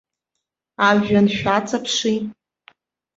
Ажәҩан шәаҵаԥши.